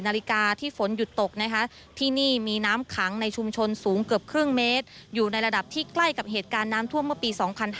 นาฬิกาที่ฝนหยุดตกนะคะที่นี่มีน้ำขังในชุมชนสูงเกือบครึ่งเมตรอยู่ในระดับที่ใกล้กับเหตุการณ์น้ำท่วมเมื่อปี๒๕๕๙